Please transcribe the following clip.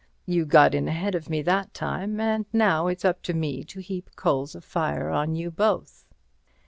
You got in ahead of me that time, and now it's up to me to heap coals of fire on you both."